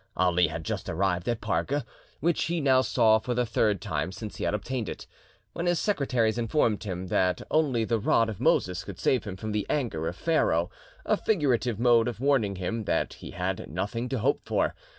Ali had just arrived at Parga, which he now saw for the third time since he had obtained it, when his secretaries informed him that only the rod of Moses could save him from the anger of Pharaoh—a figurative mode of warning him that he had nothing to hope for.